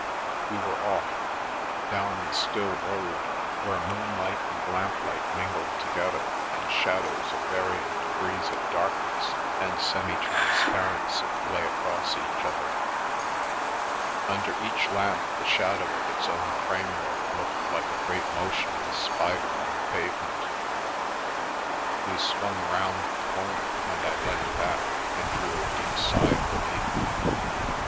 We were off— down the still road, where moonlight and lamplight mingled together and shadows of varying degrees of darkness and semi transparency lay across each other; under each lamp the shadow of its own framework looked like a great motionless spider on the pavement. We swung round the corner and I leant back and drew a deep sigh of relief.